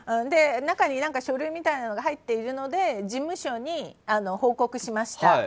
中に書類みたいなのが入っているので事務所に報告しました。